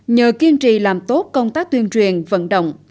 nhờ kiên trì làm tốt công tác tuyên truyền vận động